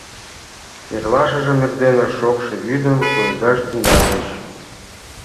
Эрлашыжым эрдене шокшо вӱдым пуэдаш тӱҥальыч.